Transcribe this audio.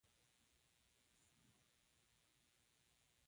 د ټول کنړ کنټرول واخیست.